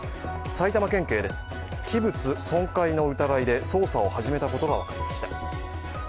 埼玉県警です、器物損壊の疑いで捜査を始めたことが分かりました。